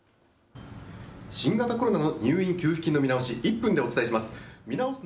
新型コロナの入院給付金の見直し、１分でお伝えします。